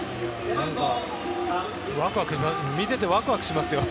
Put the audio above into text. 見ていてワクワクします。